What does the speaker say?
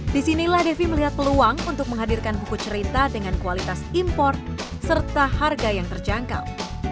disinilah devi melihat peluang untuk menghadirkan buku cerita dengan kualitas impor serta harga yang terjangkau